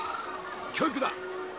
教育だ！